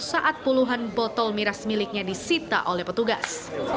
saat puluhan botol miras miliknya disita oleh petugas